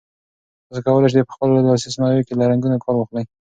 تاسي کولای شئ په خپلو لاسي صنایعو کې له رنګونو کار واخلئ.